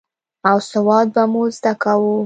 او سواد به مو زده کاوه.